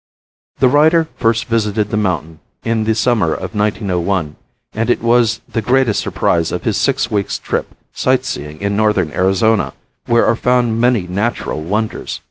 The writer first visited the mountain in the summer of 1901 and it was the greatest surprise of his six weeks' trip sightseeing in northern Arizona where are found many natural wonders.